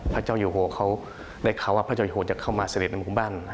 พระเจ้าอยู่โหได้เขาว่าพระเจ้าอยู่โหจะเข้ามาเสด็จในบ้าน